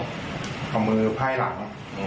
ก็ได้เอามือไพร่หลัง